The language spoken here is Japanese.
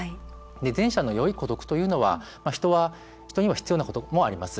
前者の良い孤独というのは人には必要なこともあります。